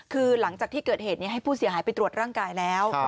คือหลังจากที่เกิดเหตุให้ผู้เสียหายไปตรวจร่างกายแล้ว